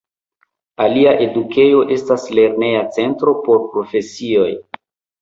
Alia edukejo estas lerneja centro por profesioj.